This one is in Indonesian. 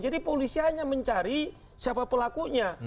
jadi polisi hanya mencari siapa pelakunya